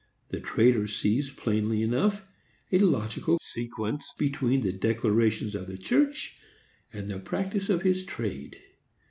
The trader sees plainly enough a logical sequence between the declarations of the church and the practice of his trade.